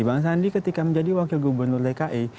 bang sandi ketika menjadi wakil gubernur dki